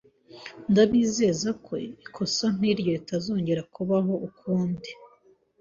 Ndabizeza ko ikosa nkiryo ritazongera kubaho ukundi.